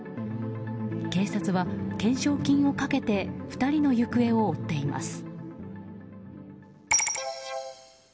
警察は懸賞金をかけて２人の行方を追っています。